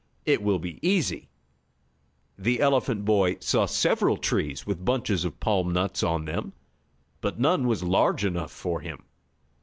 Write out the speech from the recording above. "It will be easy." The elephant boy saw several trees with bunches of palm nuts on them, but none was large enough for him.